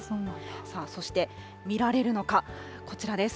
さあそして、見られるのか、こちらです。